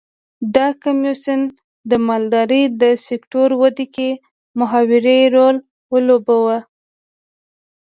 دا کمېسیون د مالدارۍ د سکتور ودې کې محوري رول ولوباوه.